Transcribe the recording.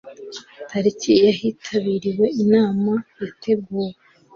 tariki ya hitabiriwe inama yateguwe